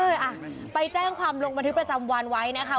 อ่ะไปแจ้งความลงบันทึกประจำวันไว้นะคะ